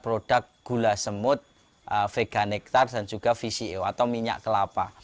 produk gula semut veganektar dan juga vco atau minyak kelapa